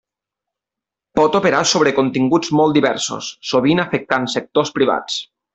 Pot operar sobre continguts molt diversos, sovint afectant sectors privats.